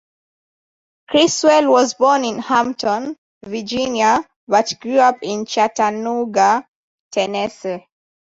Criswell was born in Hampton, Virginia, but grew up in Chattanooga, Tennessee.